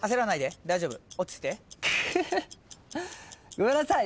ごめんなさい。